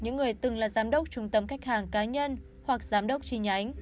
những người từng là giám đốc trung tâm khách hàng cá nhân hoặc giám đốc chi nhánh